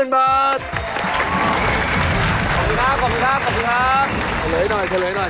ขอบคุณครับ